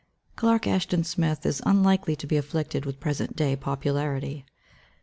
Clark Ashton Smith is imlikely to be affliAed with present day popularity.